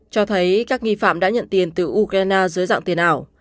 cho thấy các nghi phạm đã nhận tiền từ ukraine dưới dạng tiền ảo